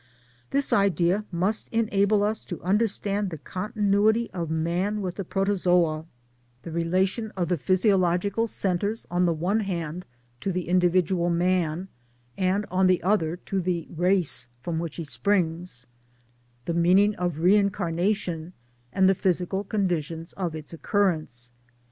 This idea must enable us to understand the con tinuity of Man with the Protozoa, the relation of 208 MY DAYS AND DREAMS the physiological centres, on the one hand to the individual Man and on the other to the Race from which he springs, the meaning of Reincarnation, and the physical conditions of its occurrence.